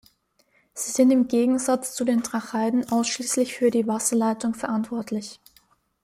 Sie sind im Gegensatz zu den Tracheiden ausschließlich für die Wasserleitung verantwortlich.